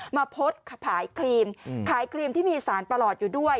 มาโพสต์ขายครีมขายครีมที่มีสารประหลอดอยู่ด้วย